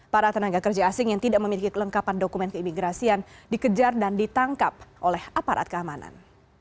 para tenaga kerja asing yang tidak memiliki kelengkapan dokumen keimigrasian dikejar dan ditangkap oleh aparat keamanan